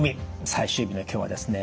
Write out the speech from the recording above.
最終日の今日はですね